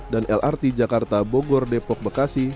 dan lrt jakarta bogor depok bekasi